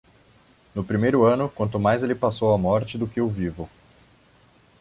No primeiro ano, quanto mais ele passou a morte do que o vivo.